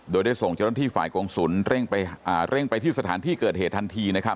โดยได้ส่งเจริญที่ฝ่ายกรงศูนย์เร่งไปที่สถานที่เกิดเหตุทันที